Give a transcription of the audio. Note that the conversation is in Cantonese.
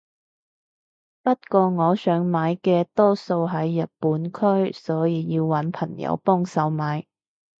不過我想買嘅多數係日本區所以要搵朋友幫手買